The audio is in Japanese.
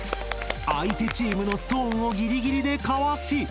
相手チームのストーンをギリギリでかわし！